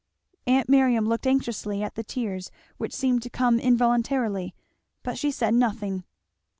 Aunt Miriam looked anxiously at the tears which seemed to come involuntarily, but she said nothing.